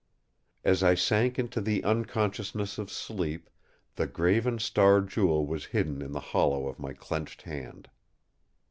As I sank into the unconsciousness of sleep, the graven Star Jewel was hidden in the hollow of my clenched hand.